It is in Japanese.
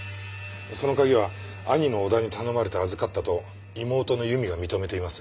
その鍵は兄の小田に頼まれて預かったと妹の由美が認めています。